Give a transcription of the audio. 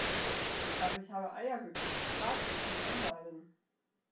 Aber ich habe Eier gekocht, harte, zum Anmalen.